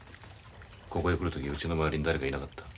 ここへ来る時うちの周りに誰かいなかった？